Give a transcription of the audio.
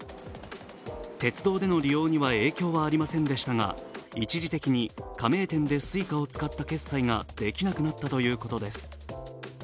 鉄道での利用には影響はありませんでしたが一時的に加盟店でＳｕｉｃａを使った決済ができなくなったということです。